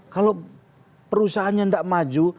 kalau perusahaan yang tidak maju